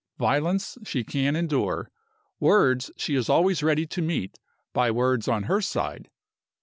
Violence she can endure. Words she is always ready to meet by words on her side.